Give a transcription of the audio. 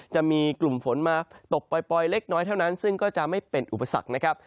จะมีกลุ่มฝนมาตกปล่อยเล็กน้อยเท่านั้นซึ่งก็จะไม่เป็นอุปสรรคนะครับ